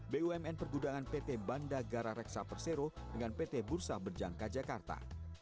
bumn pergudangan pt bandagara reksa persero dengan pt bursa berjangka jakarta